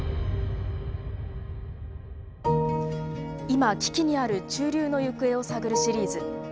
今危機にある中流の行方を探るシリーズ。